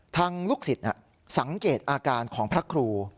ลูกศิษย์สังเกตอาการของพระครู